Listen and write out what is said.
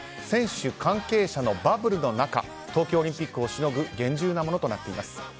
選手、関係者のバブルの中東京オリンピックをしのぐ厳重なものとなっています。